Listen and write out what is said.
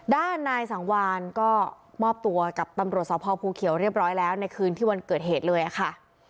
ด้านนายสังวานก็มอบตัวกับตำรวจสพภูเขียวเรียบร้อยแล้วในคืนที่วันเกิดเหตุเลยค่ะ